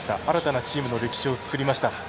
新たなチームの歴史を作りました。